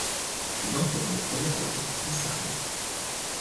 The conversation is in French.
Il entre dans le projet de la route transsaharienne.